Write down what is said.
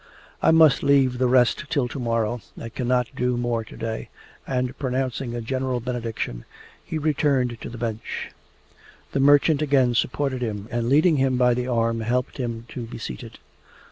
'I must leave the rest till to morrow. I cannot do more to day,' and, pronouncing a general benediction, he returned to the bench. The merchant again supported him, and leading him by the arm helped him to be seated.